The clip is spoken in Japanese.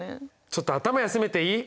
ちょっと頭休めていい？